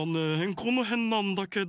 このへんなんだけど。